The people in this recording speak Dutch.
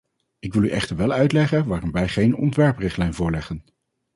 Ik wil u echter wel uitleggen waarom wij geen ontwerprichtlijn voorleggen.